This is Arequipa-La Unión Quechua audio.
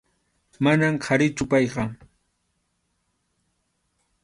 Manam qharichu payqa.